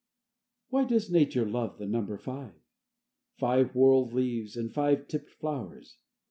X Why does Nature love the number five? Five whorled leaves and five tipped flowers?